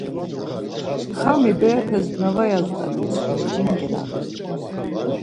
Xami berepes na var yazdasen steri jin geladvi.